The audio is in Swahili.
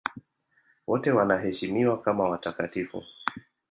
Wote wanaheshimiwa kama watakatifu.